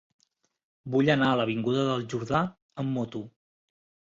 Vull anar a l'avinguda del Jordà amb moto.